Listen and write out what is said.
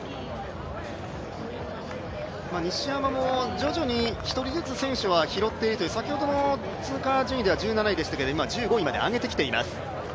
西山も徐々に１人ずつ選手は拾っているという、先ほどの通過順位では１７位でしたけど今、１５位まで上げてきています。